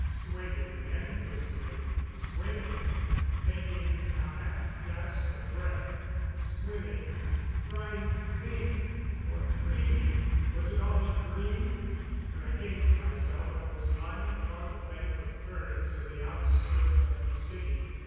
Swimming endlessly ... swimming ... taking a half gasp of breath ... swimming ... trying to think ... or dreaming ... was it all a dream?... When I came to myself I was lying upon a bank of ferns in the outskirts of the city.